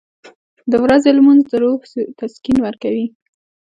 • د ورځې لمونځ د روح تسکین ورکوي.